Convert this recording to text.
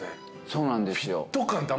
そうなんですよ。